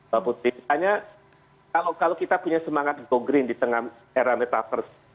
hanya kalau kita punya semangat go green di tengah era metaverse